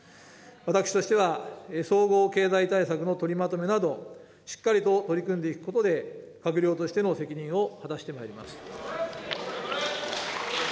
私としては総合経済対策の取りまとめなど、しっかりと取り組んでいくことで、閣僚としての責任を果たしてまいります。